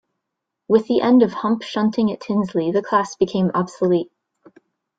With the end of hump shunting at Tinsley the class became obsolete.